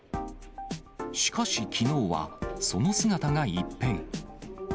しかしきのうは、その姿が一変。